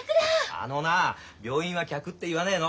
あのなあ病院は客って言わねえの。